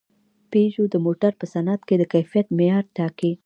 پيژو د موټرو په صنعت کې د کیفیت معیار ټاکي.